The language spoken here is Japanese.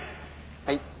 はい。